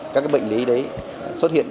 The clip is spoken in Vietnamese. các bệnh lý đấy xuất hiện